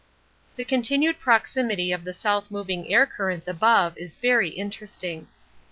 The continued proximity of the south moving air currents above is very interesting.